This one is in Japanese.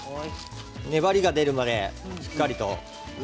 粘りが出るまでしっかりと。